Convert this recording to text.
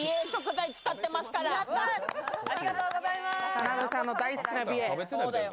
田辺さんの大好きな美瑛。